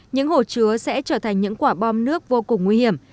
những hồ chứa sẽ trở thành những quả bom nước vô cùng nguy hiểm